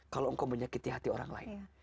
kalau engkau menyakiti hati orang lain